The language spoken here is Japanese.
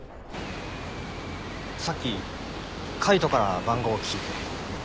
さっき海斗から番号聞いて。